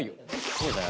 こうだよ。